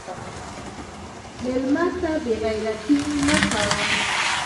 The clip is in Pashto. مېلمه ته بې عزتي مه کوه.